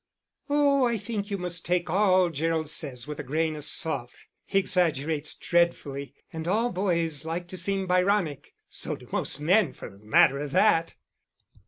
"Oh, I think you must take all Gerald says with a grain of salt. He exaggerates dreadfully, and all boys like to seem Byronic. So do most men, for the matter of that!"